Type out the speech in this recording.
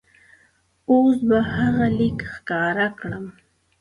اوس به هغه لیک ښکاره کړم.